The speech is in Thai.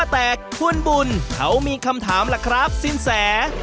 แต่คุณบุญเขามีคำถามสิ้นแส